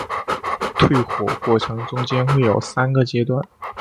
退火过程中间会有三个阶段。